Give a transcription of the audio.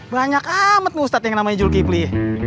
banyak amat nih ustaz yang namanya jul kipli